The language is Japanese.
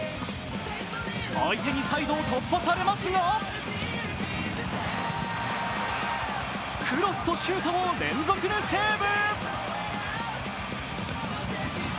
相手ディフェンドを突破されますがクロスとシュートの連続でセーブ。